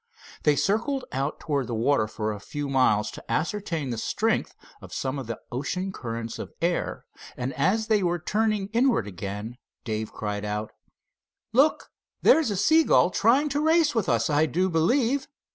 They circled out toward the water for a few miles, to ascertain the strength of some of the ocean currents of air, and as they were turning inward again Dave cried out: "Look, there's a seagull trying to race with us, I do believe!"